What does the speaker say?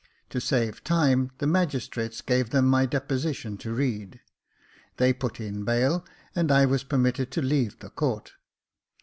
To save time, the magistrates gave them my deposition to read ; they put in bail, and I was permitted to leave the court.